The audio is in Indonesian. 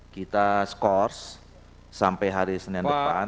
kita skors sampai hari senin depan